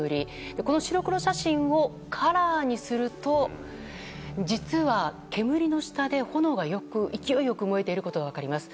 この白黒写真をカラーにすると実は、煙の下で炎が勢いよく燃えていることが分かります。